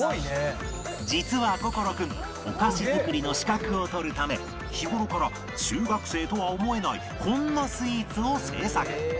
実は心くんお菓子作りの資格を取るため日頃から中学生とは思えないこんなスイーツを製作